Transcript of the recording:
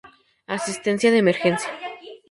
Asistencia de emergencia.